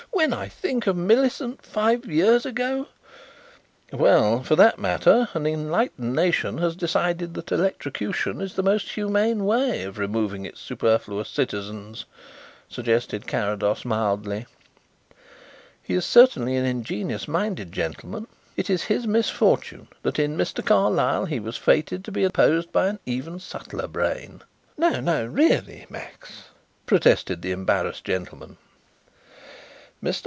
"When I think of Millicent five years ago " "Well, for that matter, an enlightened nation has decided that electrocution is the most humane way of removing its superfluous citizens," suggested Carrados mildly. "He is certainly an ingenious minded gentleman. It is his misfortune that in Mr. Carlyle he was fated to be opposed by an even subtler brain " "No, no! Really, Max!" protested the embarrassed gentleman. "Mr.